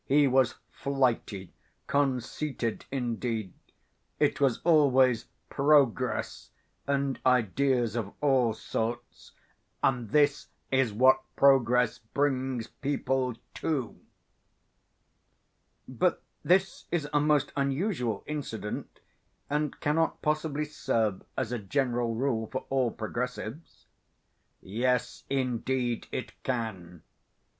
He was flighty conceited indeed. It was always 'progress' and ideas of all sorts, and this is what progress brings people to!" "But this is a most unusual incident and cannot possibly serve as a general rule for all progressives." "Yes, indeed it can.